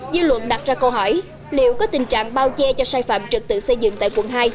dư luận đặt ra câu hỏi liệu có tình trạng bao che cho sai phạm trực tự xây dựng tại quận hai